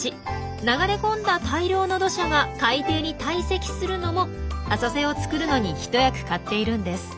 流れ込んだ大量の土砂が海底に堆積するのも浅瀬を作るのに一役買っているんです。